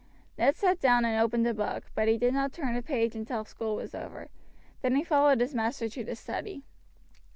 Ned sat down and opened a book, but he did not turn a page until school was over; then he followed his master to the study.